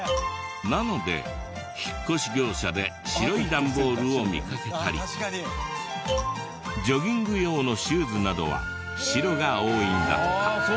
なので引っ越し業者で白い段ボールを見かけたりジョギング用のシューズなどは白が多いんだとか。